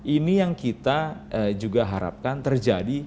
ini yang kita juga harapkan terjadi